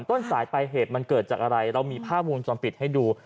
ต้นสายไปเหตุมันเกิดจากอะไรเรามีภาพวงจรปิดให้ดู